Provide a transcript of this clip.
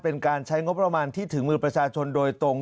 เป็นการใช้งบประมาณที่ถึงมือประชาชนโดยตรง